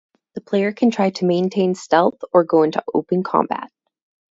The player can try to maintain stealth or go into open combat.